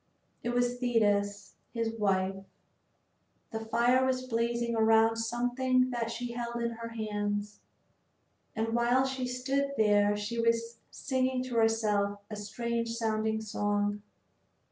It was Thetis, his wife. The fire was blazing around something that she held in her hands. And while she stood there she was singing to herself a strange sounding song.